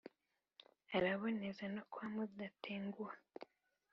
araboneza no kwa mudatenguha,